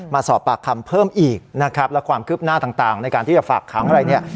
มาสอบปากคำเพิ่มอีกนะครับและความคืบหน้าต่างในการที่จะฝากขังอะไรเนี่ย